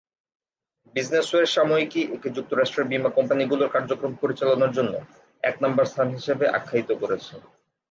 Business wire সাময়িকী একে যুক্তরাষ্ট্রের বিমা কোম্পানিগুলোর কার্যক্রম পরিচালনার জন্য এক নাম্বার স্থান হিসেবে আখ্যায়িত করেছে।